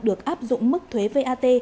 được áp dụng mức thuế vat